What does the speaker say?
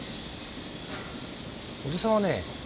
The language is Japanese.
おじさんはね